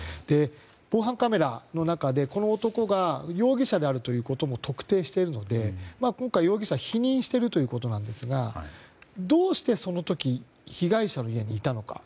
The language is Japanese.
防犯カメラの中で、この男が容疑者であるということも特定しているので、今回、容疑者否認しているということですがどうして、その時被害者の家にいたのか。